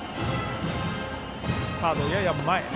サード、やや前。